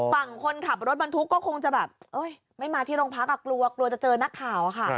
ฝั่งคนขับรถบรรทุกก็คงจะแบบไม่มาที่โรงพักกลัวกลัวจะเจอนักข่าวค่ะ